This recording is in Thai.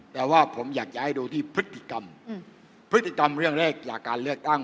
แต่ว่าผมอยากจะให้ดูที่พฤติกรรมพฤติกรรมเรื่องแรกจากการเลือกตั้ง